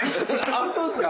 あそうですか。